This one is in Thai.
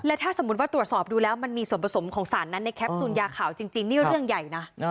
ถ้าสมมุติว่าตรวจสอบดูแล้วมันมีส่วนผสมของสารนั้นในแคปซูลยาขาวจริงนี่เรื่องใหญ่นะ